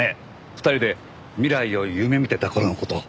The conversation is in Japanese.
２人で未来を夢見てた頃の事を。